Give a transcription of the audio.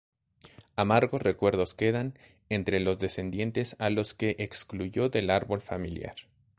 Amargos recuerdos quedan entre los descendientes a los que excluyó del árbol familiar.